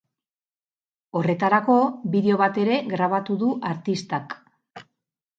Horretarako, bideo bat ere grabatu du artistak.